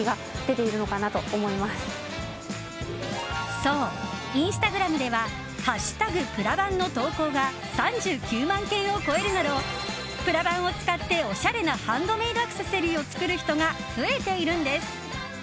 そう、インスタグラムでは「＃プラバン」の投稿が３９万件を超えるなどプラバンを使って、おしゃれなハンドメイドアクセサリーを作る人が増えているんです。